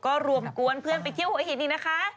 ก็รวมกวนเพื่อนไปเที่ยวหัวหินอีกนะคะ